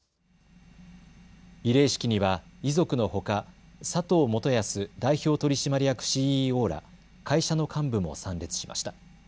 慰霊式には遺族のほか佐藤元保代表取締役ＣＥＯら会社の幹部も参列しました。